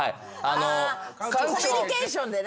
コミュニケーションでね。